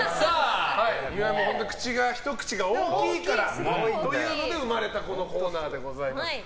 岩井のひと口が大きいからというので生まれたコーナーでございます。